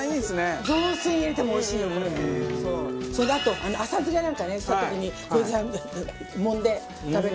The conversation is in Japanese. それであと浅漬けなんかねした時にこれもんで食べるのすごいおいしい。